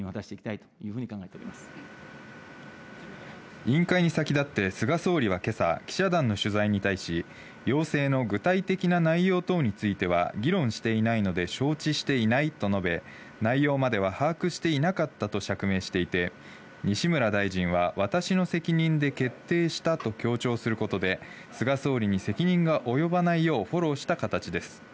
委員会に先立って、菅総理は今朝、記者団の取材に対し要請の具体的な内容等については議論していないので承知していないと述べ、内容までは把握していなかったと釈明していて西村大臣は私の責任で決定したと強調することで菅総理に責任が及ばないようにフォローした形です。